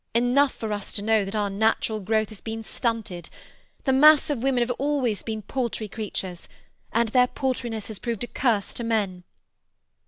Enough for us to know that our natural growth has been stunted. The mass of women have always been paltry creatures, and their paltriness has proved a curse to men.